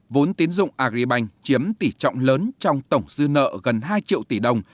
vốn tiến dụng agribank chiếm tỷ trọng lớn trong tổng dư nợ gần hai triệu tỷ đồng